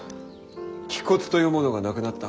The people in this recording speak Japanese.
気骨というものがなくなった。